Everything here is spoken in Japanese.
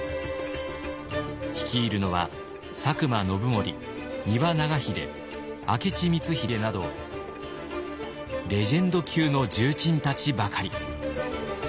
率いるのは佐久間信盛丹羽長秀明智光秀などレジェンド級の重鎮たちばかり。